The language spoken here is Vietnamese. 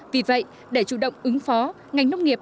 vì vậy để chủ động ứng phó ngành nông nghiệp